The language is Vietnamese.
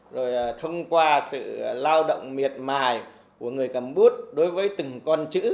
rồi thông qua sự lao động miệt mài của người cầm bút đối với từng con chữ